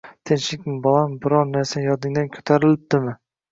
Tinchlikmi bolam, biror narsang yodingdan ko`tarilibdimi